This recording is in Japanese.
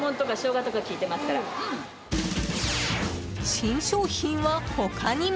新商品は、他にも。